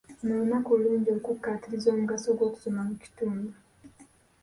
Luno lunaku lulungi okukkaatiriza omugaso gw'okusoma mu kitundu.